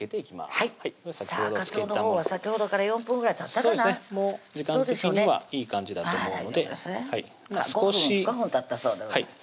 かつおのほうは先ほどから４分ぐらいたったかなもう時間的にはいい感じだと思うので５分たったそうでございます